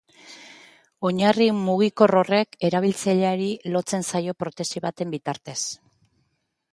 Oinarri mugikor horrek erabiltzaileari lotzen zaio protesi baten bitartez.